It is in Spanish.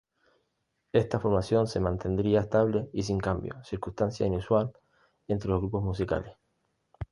Esta formación se mantendría estable y sin cambios, circunstancia inusual entre los grupos musicales.